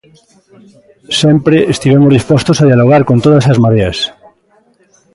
Sempre estivemos dispostos a dialogar con todas as mareas.